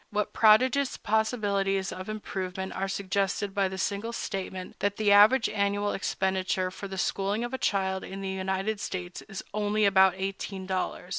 What prodigious possibilities of improvement are suggested by the single statement that the average annual expenditure for the schooling of a child in the United States is only about eighteen dollars!